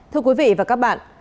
thưa quý vị và các bạn